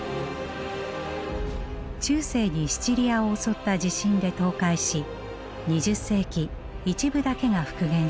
中世にシチリアを襲った地震で倒壊し２０世紀一部だけが復元されました。